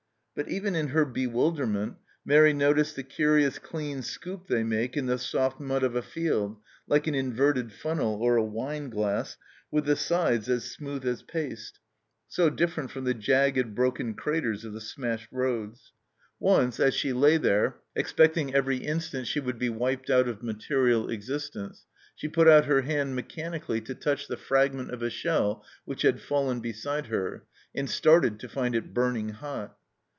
But even in her bewilderment Mairi noticed the curious clean scoop they make in the soft mud of a field, like an inverted funnel or a wine glass, with the sides as smooth as paste so different from the jagged, broken craters of the smashed roads. Once, as she THE CELLAR HOUSE OF PERVYSE lay there, expecting every instant she would be wiped out of material existence, she put out her hand mechanically to touch the fragment of a shell which had fallen beside her, and started to feel it burning hot.